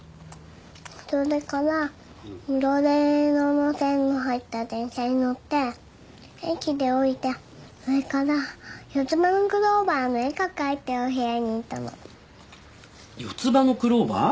それから緑色の線の入った電車に乗って駅で降りてそれから四つ葉のクローバーの絵が描いてるお部屋に行ったの四つ葉のクローバー？